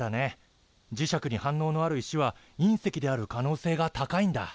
磁石に反応のある石は隕石である可能性が高いんだ。